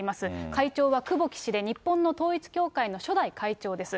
会長は久保木氏で、日本の統一教会の初代会長です。